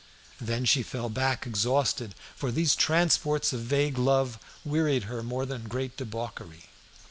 Then she fell back exhausted, for these transports of vague love wearied her more than great debauchery.